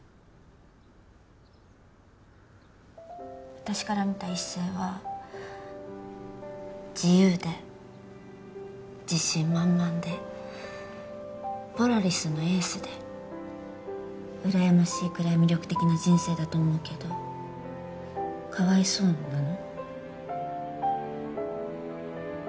私から見た一星は自由で自信満々でポラリスのエースでうらやましいくらい魅力的な人生だと思うけどかわいそうなの？